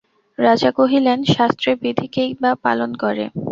রাজা কহিলেন, শাস্ত্রে বিধি কেই বা পালন করে।